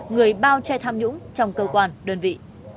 người bao che tham nhũng trong cơ quan đơn vị